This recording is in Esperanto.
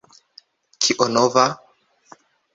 Kio nova?